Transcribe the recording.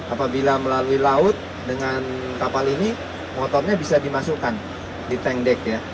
apabila melalui laut dengan kapal ini motornya bisa dimasukkan di tank deck ya